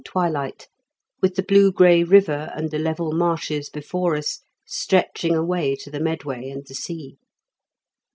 15 twilight, with the blue gray river and the level marshes before us, stretching away to the Medway and the sea.